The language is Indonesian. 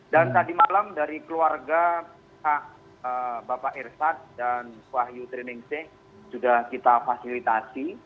dan tadi malam dari keluarga bapak hirsat dan wahyu triningsik sudah kita fasilitasi